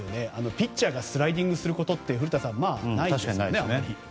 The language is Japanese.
ピッチャーがスライディングすることって古田さん、ないですよね。